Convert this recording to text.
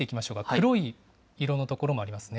黒い色の所もありますね。